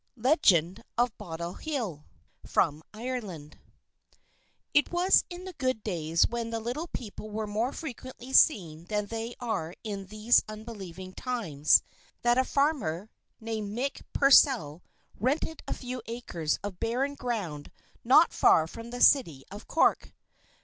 LEGEND OF BOTTLE HILL From Ireland It was in the good days, when the Little People were more frequently seen than they are in these unbelieving times, that a farmer, named Mick Purcell, rented a few acres of barren ground not far from the city of Cork.